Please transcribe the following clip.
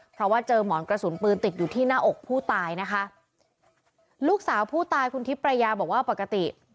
เพราะว่าเจอหมอนกระสุนปืนติดอยู่ที่หน้าอกผู้ตายนะคะลูกสาวผู้ตายคุณทิพยาบอกว่าปกติ